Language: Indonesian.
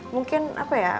mungkin apa ya